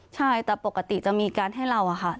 ใช่แต่ปกติจะมีการให้เราอะค่ะ